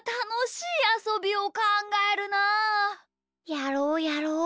やろうやろう。